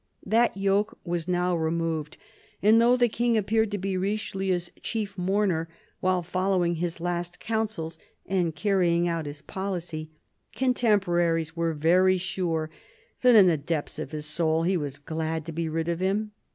That yoke was now removed ; and though the King appeared to be Richelieu's chief mourner, while following his last counsels and carrying out his policy, contemporaries were very sure that in the depths of his soul he was glad to be rid of him.